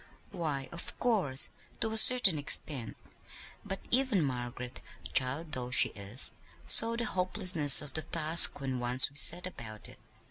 "Why, of course, to a certain extent: but even Margaret, child though she is, saw the hopelessness of the task when once we set about it.